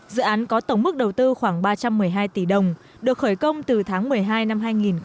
dự án có tổng mức đầu tư khoảng ba trăm một mươi hai tỷ đồng được khởi công từ tháng một mươi hai năm hai nghìn một mươi